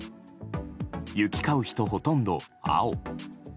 行き交う人、ほとんど青。